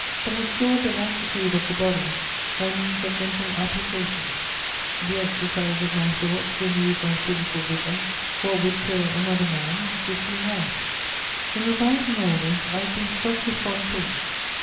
But I cured the lassitude of the body by means of mental application: the exercise of my thought renewed my physical vigour; what would kill another man gives me life. [Sidenote: My journey to Rome.] In revising all this, I have been struck with one thing.